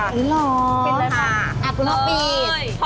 เป็นแล้วค่ะ